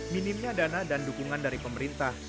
minimnya dana dan dukungan dari pemerintah